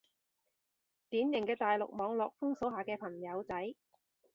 典型嘅大陸網絡封鎖下嘅朋友仔